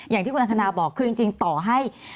อย่างที่คุณอังคณาบอกคือจริงต่อให้